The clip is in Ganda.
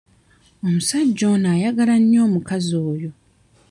Omusajja ono ayagala nnyo omukazi oyo.